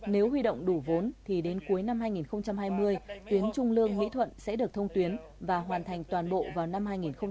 nếu huy động đủ vốn thì đến cuối năm hai nghìn hai mươi tuyến trung lương mỹ thuận sẽ được thông tuyến và hoàn thành toàn bộ vào năm hai nghìn hai mươi một